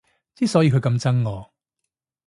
之所以佢咁憎我